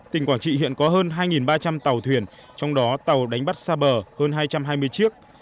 tỉnh quảng trị hiện có hơn hai ba trăm linh tàu thuyền trong đó tàu đánh bắt xa bờ hơn hai trăm hai mươi chiếc